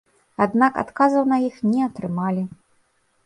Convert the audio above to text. Аднак адказаў на іх не атрымалі.